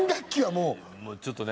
もうちょっとね。